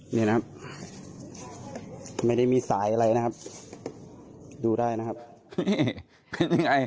นี่นะครับไม่ได้มีสายอะไรนะครับดูได้นะครับนี่เป็นยังไง